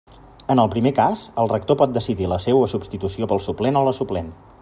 En el primer cas, el rector pot decidir la seua substitució pel suplent o la suplent.